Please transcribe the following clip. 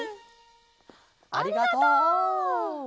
ありがとう！